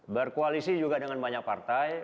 berkoalisi juga dengan banyak partai